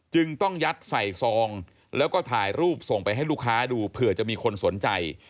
ต้องยัดใส่ซองแล้วก็ถ่ายรูปส่งไปให้ลูกค้าดูเผื่อจะมีคนสนใจ